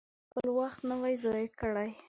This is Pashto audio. ما باید خپل وخت نه وای ضایع کړی.